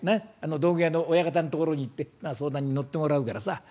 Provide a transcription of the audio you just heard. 道具屋の親方のところに行って相談に乗ってもらうからさ。